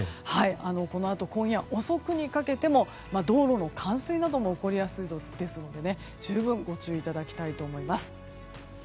このあと、今夜遅くにかけても道路の冠水なども起こりやすいので十分ご注意いただきたいと思います。